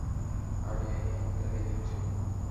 আরে, এ আমি কাকে দেখছি!